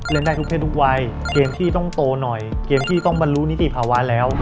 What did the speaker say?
ได้ทุกเพศทุกวัยเกมที่ต้องโตหน่อยเกมที่ต้องบรรลุนิติภาวะแล้ว